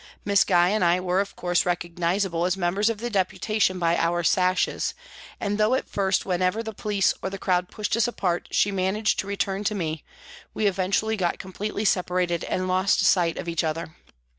Miss Gye and I were, of course, recognisable as members of the Deputation by our sashes, and though at first when ever the police or the crowd pushed us apart she managed to return to me, we eventually got com pletely separated and lost sight of each other.